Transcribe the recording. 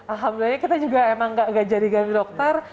alhamdulillah kita juga emang gak jadi ganti dokter